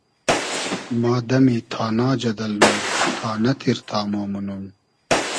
ما دئمی تانا جئدئل نوم ، تانۂ تیر تامۉ مونوم